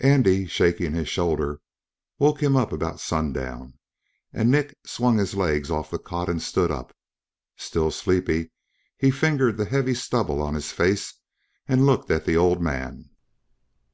Andy, shaking his shoulder, woke him about sundown and Nick swung his legs off the cot and stood up. Still sleepy, he fingered the heavy stubble on his face and looked at the old man.